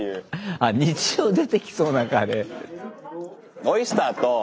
あ日常出てきそうなカレー。